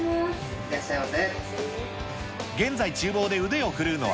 いらっしゃいませ。